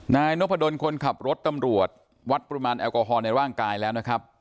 นายนพดลคนขับรถตำรวจวัดปริมาณแอลกอฮอลในร่างกายแล้วนะครับ